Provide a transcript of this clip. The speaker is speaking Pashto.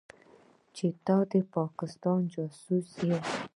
چې ته د پاکستان جاسوس يې.